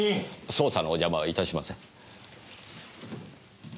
捜査のお邪魔は致しません。